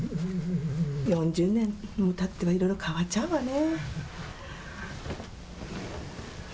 ４０年たったらいろいろ変わっちゃうわね。